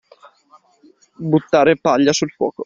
Buttare paglia sul fuoco.